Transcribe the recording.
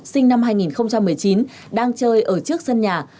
sinh năm hai nghìn một mươi chín đang chơi ở trước sân nhà